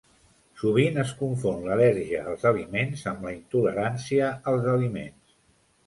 Sovint es confon l'al·lèrgia als aliments amb la intolerància als aliments.